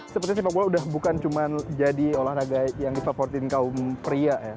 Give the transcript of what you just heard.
seperti sepak bola udah bukan cuma jadi olahraga yang difavortin kaum pria ya